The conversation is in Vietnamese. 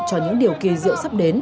cho những điều kỳ diệu sắp đến